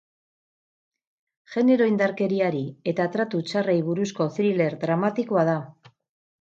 Genero indarkeriari eta tratu txarrei buruzko thriller dramatikoa da.